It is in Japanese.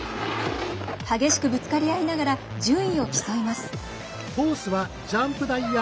激しくぶつかり合いながら順位を競います。